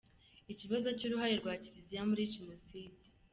Ikibazo cy’uruhare rwa Kiliziya muri jenoside